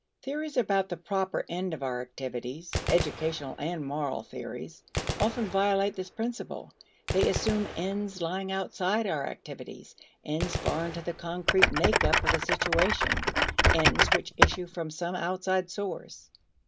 Theories about the proper end of our activities educational and moral theories often violate this principle. They assume ends lying outside our activities; ends foreign to the concrete makeup of the situation; ends which issue from some outside source.